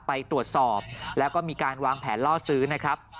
ไปตรวจสอบแล้วก็มีการวางแผนล่อซื้อนะครับ